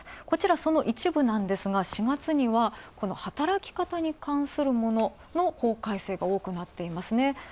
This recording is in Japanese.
こちらその一部なんですが、４月には働き方に関するものの法改正が多くなっていますね。